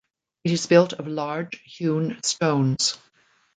It is built of large hewn stones.